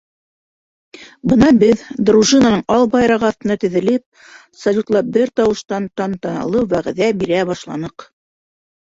Бына беҙ, дружинаның ал байрағы аҫтына теҙелеп, салютлап бер тауыштан тантаналы вәғәҙә бирә башланыҡ.